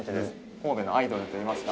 神戸のアイドルといいますか。